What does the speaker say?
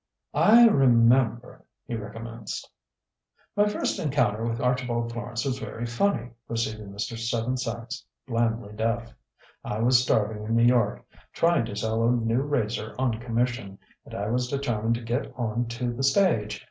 "I remember " he recommenced. "My first encounter with Archibald Florance was very funny," proceeded Mr. Seven Sachs, blandly deaf. "I was starving in New York, trying to sell a new razor on commission, and I was determined to get on to the stage.